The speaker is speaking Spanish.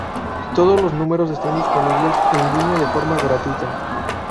Todos los números están disponibles en línea de forma gratuita.